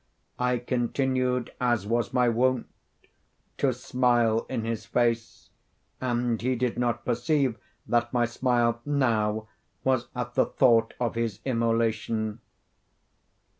I continued, as was my wont, to smile in his face, and he did not perceive that my smile now was at the thought of his immolation.